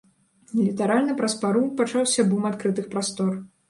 Літаральна праз пару пачаўся бум адкрытых прастор.